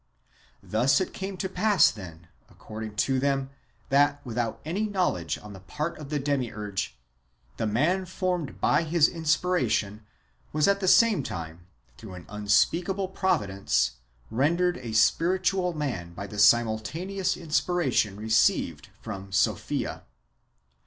^ Thus it came to pass, then, according to them, that, without any knowledge on the part of the Demiurge, the man formed by his inspiration was at the same time, through an unspeakable providence, rendered a spiritual man by the simultaneous inspiration received from Sophia.